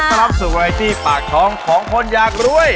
มารับสุขใบใจที่ปากท้องของคนอยากรวย